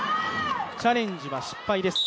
チャレンジは失敗です。